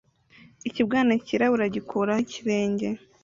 Ikibwana cyirabura gikoraho ikirenge